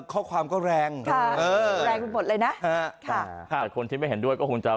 ข้อความก็แรงค่ะเออแรงแรงไปหมดเลยนะค่ะแต่คนที่ไม่เห็นด้วยก็คงจะ